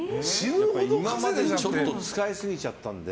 今まで使いすぎちゃったんで